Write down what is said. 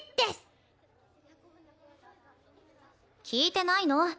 聞いてないの？